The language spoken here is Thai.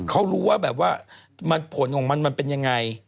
เขารู้ว่าแบบว่าผลของมันมันเป็นยังไง